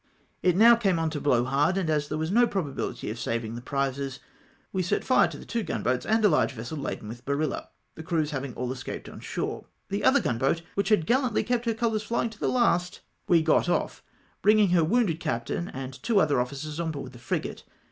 , It now came on to blow hard, and as there was no probabihty of saving the prizes, we set fire to the two gunboats and a large vessel laden with barilla, the crews having aU escaped on shore. The other gunboat, wliich had gallantly kept her colours flying to the last, we got 252 DEATH OF THEIR COMMANDINCt OFFICER. off, bringing her wounded captain and two other officers on board the frigate.